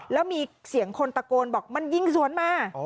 แล้วมีเสียงคนตะโกนบอกมันยิงสวนมา